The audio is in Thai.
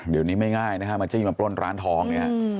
เดี๋ยวนี้ไม่ง่ายนะฮะมาจี้มาปล้นร้านทองเนี่ย